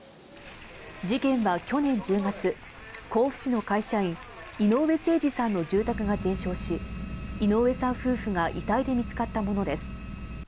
事件は去年１０月、甲府市の会社員・井上盛司さんの住宅が全焼し、井上さん夫婦が遺体で見つかったものです。